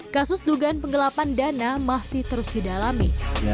kasus dugaan penggelapan dana masih terus didalami